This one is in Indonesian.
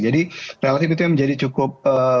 jadi relatif itu yang menjadi cukup